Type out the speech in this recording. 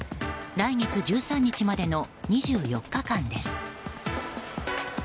来月１３日までの２４日間です。